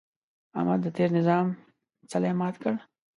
احمد د تېر نظام څلی مات کړ.